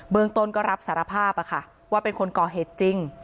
เมืองต้นก็รับสารภาพว่าเป็นคนก่อเหตุจริง